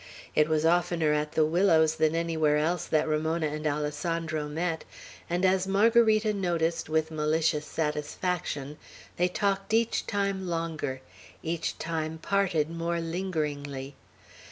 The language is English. It was oftener at the willows than anywhere else that Ramona and Alessandro met; and, as Margarita noticed with malicious satisfaction, they talked each time longer, each time parted more lingeringly.